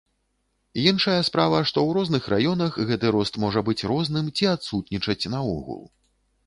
Іншая справа, што ў розных раёнах гэты рост можа быць розным ці адсутнічаць наогул.